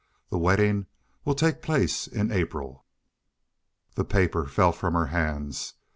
The wedding will take place in April. The paper fell from her hands.